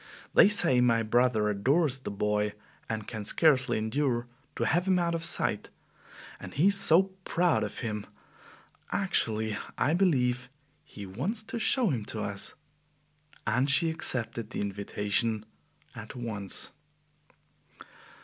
They say my brother adores the boy and can scarcely endure to have him out of sight. And he is so proud of him! Actually, I believe he wants to show him to us." And she accepted the invitation at once.